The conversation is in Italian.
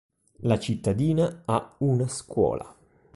La cittadina ha una scuola.